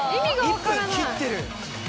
１分切ってる！